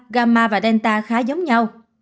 gamma và delta khá giống nhau